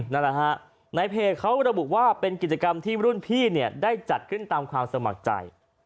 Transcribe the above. นั่นแหละฮะในเพจเขาระบุว่าเป็นกิจกรรมที่รุ่นพี่เนี่ยได้จัดขึ้นตามความสมัครใจ